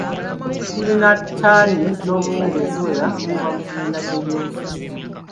Tulina ttaani z'obuwunga eziwera okuva mu kibiina ky'ebyobufuzi kino.